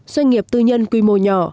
doanh nghiệp tư nhân quy mô nhỏ